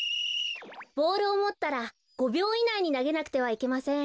ボールをもったら５びょういないになげなくてはいけません。